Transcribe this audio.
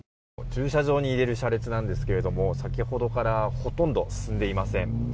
駐車場に入れる車列ですが先ほどからほとんど進んでいません。